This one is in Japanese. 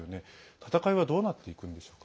戦いはどうなっていくんでしょうか。